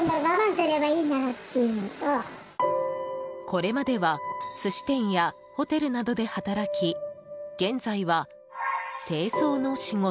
これまでは寿司店やホテルなどで働き現在は清掃の仕事。